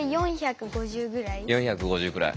４５０ぐらい。